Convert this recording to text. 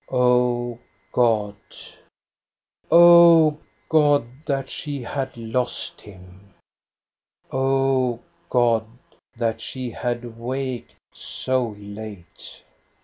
O God, O God, that she had lost him ! O God, that she had waked so late